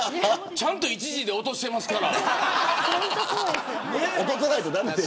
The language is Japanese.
ちゃんと１次で落としてますから。